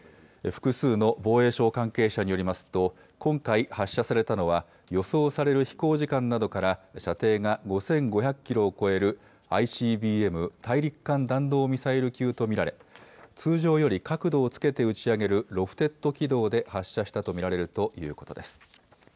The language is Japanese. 複数の防衛省関係者によりますと今回発射されたのは予想される飛行時間などから射程が５５００キロを超えるＩＣＢＭ・大陸間弾道ミサイル級と見られ通常より角度をつけて打ち上げるロフテッド軌道で発射したと見られるということです。